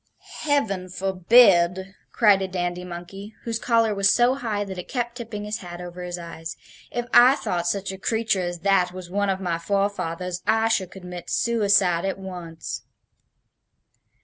"Heaven forbid!" cried a dandy monkey, whose collar was so high that it kept tipping his hat over his eyes. "If I thought such a creature as that was one of my forefathers, I should commit suicide at once."